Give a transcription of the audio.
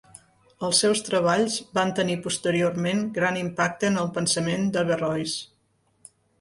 Els seus treballs van tenir posteriorment gran impacte en el pensament d'Averrois.